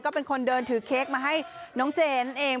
ก็เป็นคนเดินถือเค้กมาให้น้องเจนนั่นเอง